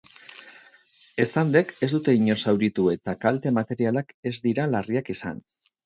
Eztandek ez dute inor zauritu eta kalte materialak ez dira larriak izan.